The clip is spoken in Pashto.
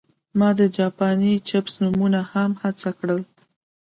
ما د جاپاني چپس نومونه هم هڅه کړل